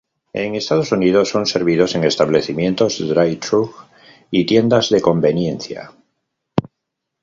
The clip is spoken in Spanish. En Estados Unidos son servidos en establecimientos de Drive-through y tiendas de conveniencia.